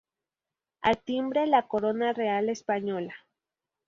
Al timbre, la Corona Real española.